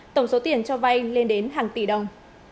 tổng số tiền cho vay lên đến hàng tỷ đồng